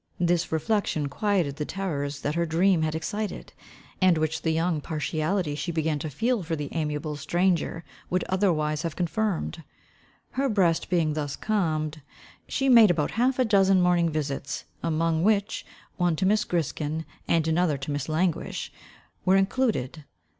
This reflection quieted the terrors that her dream had excited, and which the young partiality she began to feel for the amiable stranger would otherwise have confirmed. Her breast being thus calmed, she made about half a dozen morning visits, among which, one to Miss Griskin, and another to Miss Languish, were included.